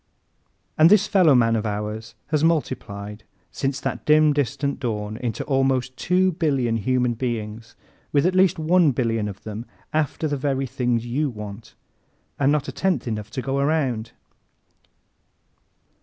And this fellowman of ours has multiplied, since that dim distant dawn, into almost two billion human beings, with at least one billion of them after the very things you want, and not a tenth enough to go around!